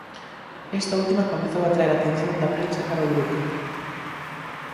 Esta última comezou a atraer a atención da prensa cara ao grupo.